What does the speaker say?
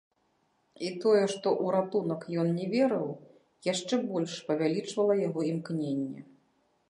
І тое, што ў ратунак ён не верыў, яшчэ больш павялічвала яго імкненне.